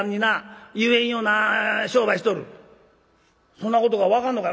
「そんなことが分かんのか？」。